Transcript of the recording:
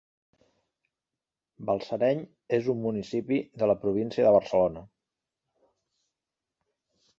Balsareny és un municipi de la província de Barcelona.